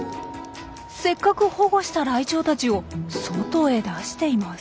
せっかく保護したライチョウたちを外へ出しています。